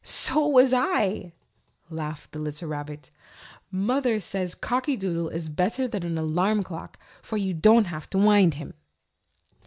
"So was I," laughed the little rabbit. "Mother says Cocky Doodle is better than an alarm clock, for you don't have to wind him."